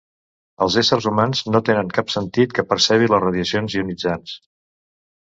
Els éssers humans no tenen cap sentit que percebi les radiacions ionitzants.